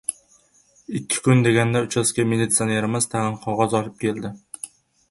Ikki kun deganda uchastka militsonerimiz tag‘in qog‘oz olib keldi.